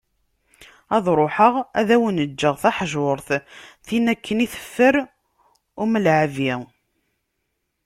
Ad ruḥeγ ad awen-ğğeγ taḥjurt, tin akken i teffer umlaԑbi.